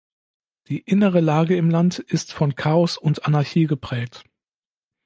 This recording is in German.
Die innere Lage im Land ist von Chaos und Anarchie geprägt.